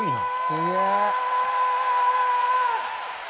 「すげえ！」